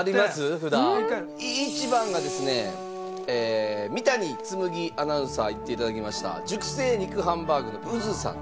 １番がですね三谷紬アナウンサー行って頂きました熟成肉ハンバーグのＵＺＵさんですね。